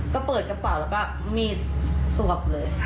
ก็เปิดกระเป๋าแล้วก็มีดสวบเลยค่ะ